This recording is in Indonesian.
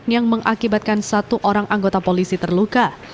yang mengakibatkan satu orang anggota polisi terluka